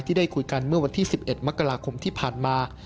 ได้คุยกันเมื่อวันที่๑๑มกราคมที่ผ่านมา